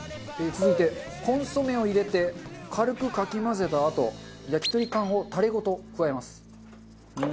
続いてコンソメを入れて軽くかき混ぜたあと焼き鳥缶をタレごと加えます。